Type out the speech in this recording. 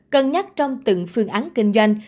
cần nhắc trong từng phương án kinh doanh